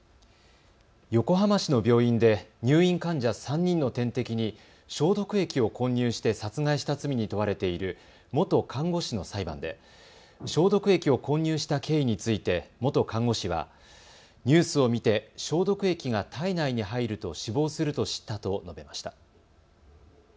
横浜市の病院で入院患者３人の点滴に消毒液を混入して殺害した罪に問われている元看護師の裁判で消毒液を混入した経緯について元看護師はニュースを見て消毒液が体内に入ると死亡すると知ったと述べました。